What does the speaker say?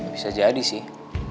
bisa jadi sih